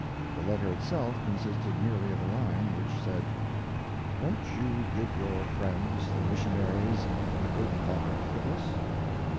The letter itself consisted merely of a line, which said: Won't you give your friends, the missionaries, a good mark for this?